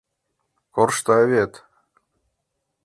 — Коршта вет.